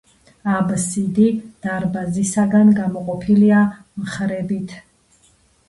აბსიდი დარბაზისაგან გამოყოფილია მხრებით.